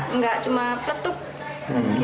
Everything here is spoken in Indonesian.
enggak cuma petuk